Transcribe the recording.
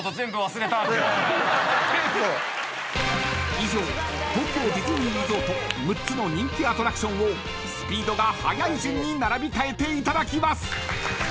［以上東京ディズニーリゾート６つの人気アトラクションをスピードが速い順に並び替えていただきます］